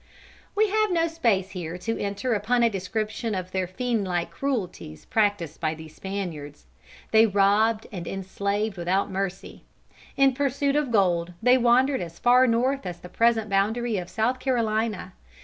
We have no space here to enter upon a description of the fiendlike cruelties practiced by these Spaniards. They robbed and enslaved without mercy. In pursuit of gold they wandered as far north as the present boundary of South Carolina.